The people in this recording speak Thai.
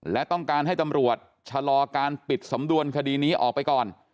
และต้องการให้ตำรวจชะลอการปิดสำนวนคดีนี้ออกไปก่อน